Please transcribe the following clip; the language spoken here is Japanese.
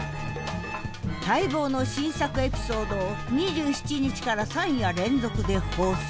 待望の新作エピソードを２７日から３夜連続で放送。